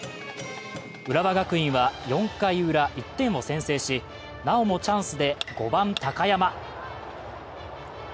浦和学院は４回ウラ、１点を先制し、なおもチャンスで５番・高山。